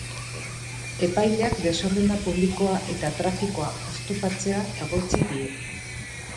Epaileak desordena publikoa eta trafikoa oztopatzea egotzi die.